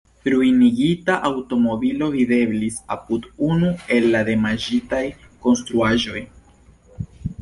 Ruinigita aŭtomobilo videblis apud unu el la damaĝitaj konstruaĵoj.